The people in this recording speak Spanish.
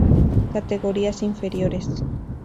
Categorías inferiores.